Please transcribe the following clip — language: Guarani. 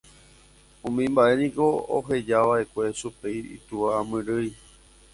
Umi mba'e niko ohejava'ekue chupe itúva amyrỹi.